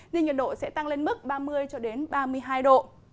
nhiệt độ sẽ tăng lên mức ba mươi ba mươi hai độ